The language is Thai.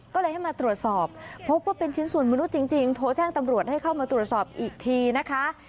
ก็เลยให้มาตรวจสอบพบว่าเป็นชิ้นส่วนมนุษย์จริงโทรแจ้งตำรวจให้เข้ามาตรวจสอบอีกทีนะคะ